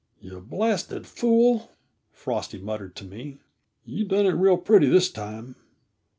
"You blasted fool," Frosty muttered to me. "You've done it real pretty, this time.